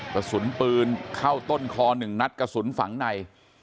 กระสุนปืนเข้าต้นคอ๑นัดกระสุนฝังใน